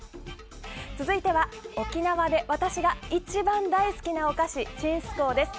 続いては沖縄で私が一番大好きなお菓子ちんす